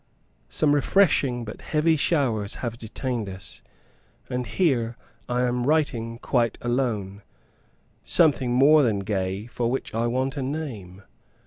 Some refreshing but heavy showers have detained us; and here I am writing quite alone something more than gay, for which I want a name.